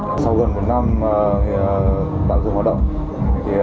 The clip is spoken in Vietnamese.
nó sai so với quy định mà cơ sở đã cam kết với đoàn kiểm tra